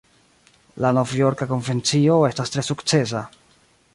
La Novjorka Konvencio estas tre sukcesa.